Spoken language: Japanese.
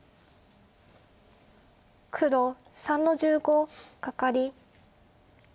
黒３の十五カカリ。